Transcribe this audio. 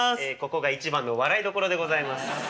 ここが一番の笑いどころでございます。